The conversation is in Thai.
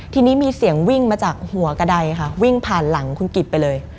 ทีนี้มีเสียงวิ่งมาจากหัวกระดายค่ะวิ่งผ่านหลังคุณกิจไปเลย